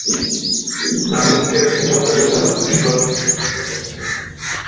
দামেস্কের একটি চত্বরে তার ভাস্কর্য স্থাপিত হয়েছে।